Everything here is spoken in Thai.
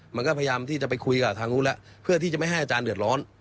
มันก็พยายามที่จะไปคุยกับทางนู้นแล้วเพื่อที่จะไม่ให้อาจารย์เดือดร้อน